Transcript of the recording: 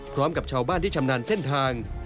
พร้อมกับชาวบ้านที่ชำนาญเส้นทาง